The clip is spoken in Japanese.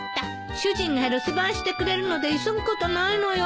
主人が留守番してくれるので急ぐことないのよ。